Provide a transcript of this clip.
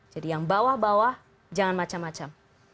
jadi yang bawah bawah jangan macam macam